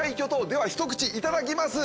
では一口いただきます！